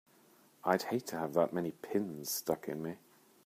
I'd hate to have that many pins stuck in me!